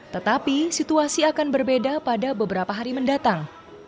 tetapi situasi akan berbeda pada beberapa hari mendatang